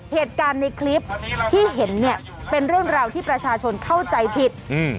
เหตุการณ์ในคลิปที่เห็นเนี่ยเป็นเรื่องราวที่ประชาชนเข้าใจผิดอืม